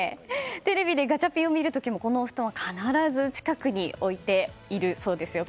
テレビでガチャピンを見る時もこのお布団を必ず近くに置いているそうですよ。